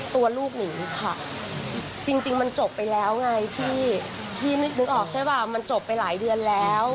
ที่นึกออกใช่ไหมว่ามันจบไปหลายเดือนแล้ว